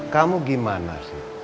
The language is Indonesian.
kamu gimana sih